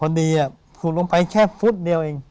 พอดีผูดลงไปแค่ฟุตเดียวเอง